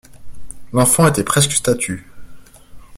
L’enfant était presque statue.